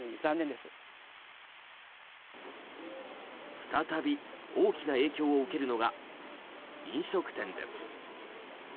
再び大きな影響を受けるのが飲食店です。